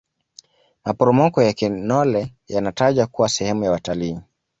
maporomoko ya kinole yanatajwa kuwa sehemu ya watalii